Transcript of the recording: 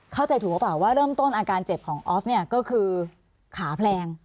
เข้าใจถูกหรือเปล่าว่าเริ่มต้นอาการเจ็บของออฟเนี่ยก็คือขาแพลง